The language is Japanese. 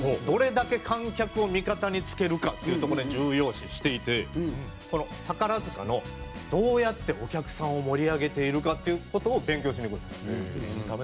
どれだけ観客を味方につけるかっていうところを重要視していてこの宝塚のどうやってお客さんを盛り上げているかっていう事を勉強しに行くんです。